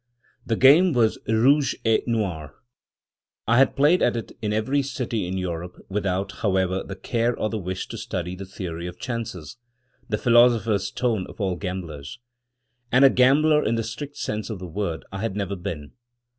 The game was Rouge et Noir . I had played at it in every city in Europe, without, however, the care or the wish to study the Theory of Chances — that philosopher's stone of all gamblers! And a gambler, in the strict sense of the word, I had never been.